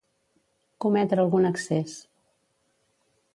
Cometre algun excés.